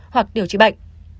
hoặc điều trị bệnh